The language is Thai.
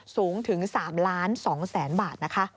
สูงถึง๓๒๐๐๐๐๐บาท